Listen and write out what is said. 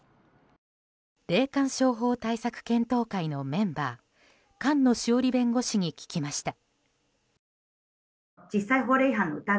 霊感商法対策検討会のメンバー菅野志桜里弁護士に聞きました。